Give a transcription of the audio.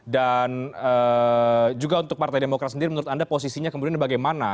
dan juga untuk partai demokrat sendiri menurut anda posisinya kemudian bagaimana